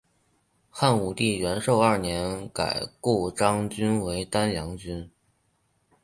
汉武帝元狩二年改故鄣郡为丹阳郡。